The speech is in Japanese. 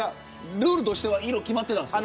ルールとして決まっていたんですか。